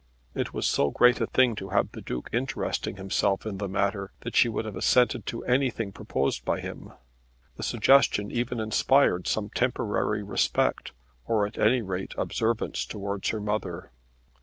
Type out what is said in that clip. It was so great a thing to have the Duke interesting himself in the matter, that she would have assented to anything proposed by him. The suggestion even inspired some temporary respect, or at any rate observance, towards her mother.